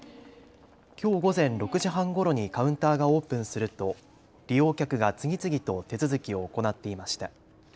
きょう午前６時半ごろにカウンターがオープンすると利用客が次々と手続きを行っていました。